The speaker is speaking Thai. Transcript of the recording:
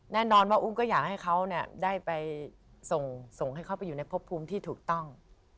แน่นอนว่าอุ้มก็อยากให้เขาได้ไปส่งให้เขาไปอยู่ในพบภูมิที่ถูกต้อง